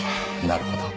なるほど。